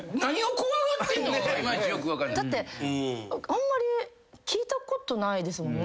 あんまり聞いたことないですもんね。